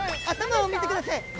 頭を見てください。